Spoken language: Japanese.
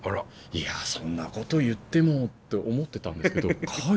いやそんなこと言ってもって思ってたんですけど書いてたんですよ。